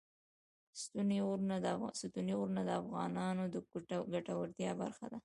ستوني غرونه د افغانانو د ګټورتیا برخه ده.